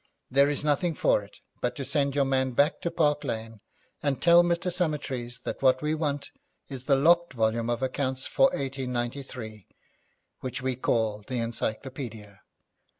There is nothing for it but to send your man back to Park Lane and tell Mr. Summertrees that what we want is the locked volume of accounts for 1893, which we call the encyclopaedia.